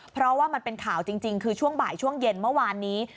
เพราะว่ามันเป็นข่าวจริงคือช่วงบ่ายช่วงเย็นเมื่อวานนี้